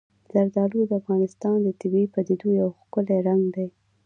زردالو د افغانستان د طبیعي پدیدو یو ښکلی رنګ دی.